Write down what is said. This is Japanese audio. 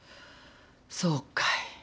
そうかい。